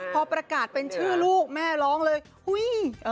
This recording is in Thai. พอประกาศเป็นชื่อลูกแม่ร้องเลยอุ้ย